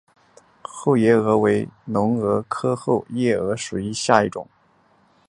后夜蛾为隆蛾科后夜蛾属下的一个种。